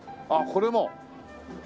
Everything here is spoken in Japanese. あっこれも？